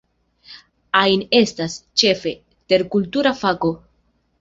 Ain estas, ĉefe, terkultura fako.